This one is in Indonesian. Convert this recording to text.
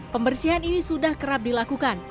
pembersihan ini sudah kerap dilakukan